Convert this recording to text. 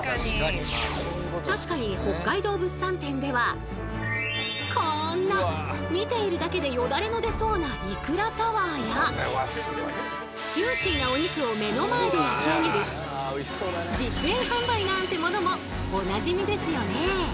確かにこんな見ているだけでヨダレの出そうないくらタワーやジューシーなお肉を目の前で焼き上げる実演販売なんてものもおなじみですよね。